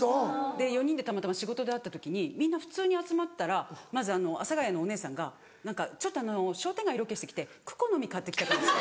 ４人でたまたま仕事で会った時にみんな普通に集まったらまず阿佐ヶ谷のお姉さんが「ちょっと商店街ロケして来てクコの実買って来た」。